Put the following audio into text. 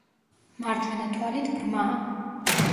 მარჯვენა თვალით ბრმაა.